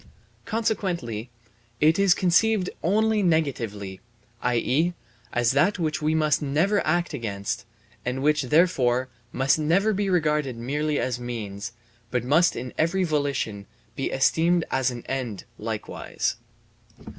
Consequently it is conceived only negatively, i.e., as that which we must never act against and which, therefore, must never be regarded merely as means, but must in every volition be esteemed as an end likewise.